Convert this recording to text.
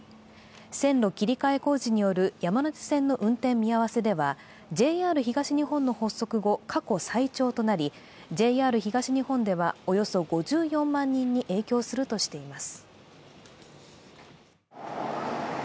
線路切り替え工事による山手線の運転見合わせではＪＲ東日本の発足後、過去最長となり、ＪＲ東日本では、およそ５４万人に影響するとしています。